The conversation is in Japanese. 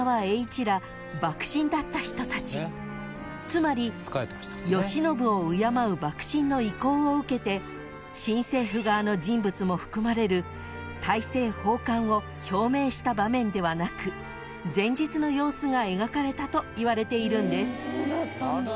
［つまり慶喜を敬う幕臣の意向を受けて新政府側の人物も含まれる大政奉還を表明した場面ではなく前日の様子が描かれたといわれているんです］